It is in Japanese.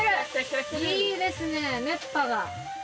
いいですね熱波が。